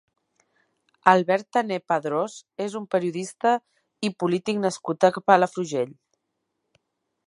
Albert Tané Padrós és un periodista i polític nascut a Palafrugell.